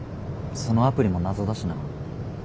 そのアプリも謎だしな。